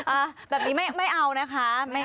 อ่ะแบบนี้ไม่เอานะคะ